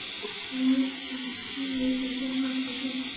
瓦朗斯人口变化图示